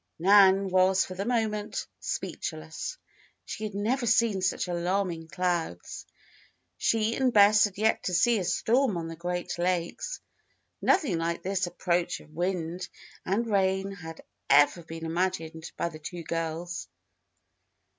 Nan was for the moment speechless. She had never seen such alarming clouds. She and Bess had yet to see a storm on the Great Lakes. Nothing like this approach of wind and rain had ever been imagined by the two girls.